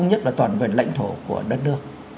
nhất là toàn vườn lãnh thổ của đất nước